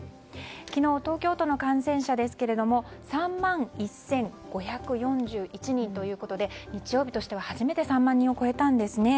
昨日、東京都の感染者ですけども３万１５４１人ということで日曜日としては初めて３万人を超えたんですね。